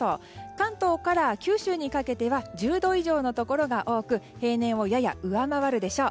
関東から九州にかけては１０度以上のところが多く平年をやや上回るでしょう。